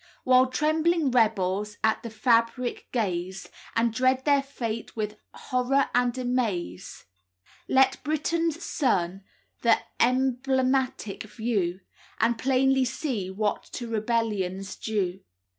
"While trembling rebels at the fabrick gaze, And dread their fate with horror and amaze, Let Briton's sons the emblematick view, And plainly see what to rebellion's due."